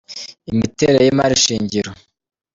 Imiterere y’imari shingiro